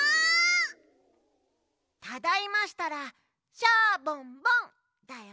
ただいましたら「シャボンボン」だよ。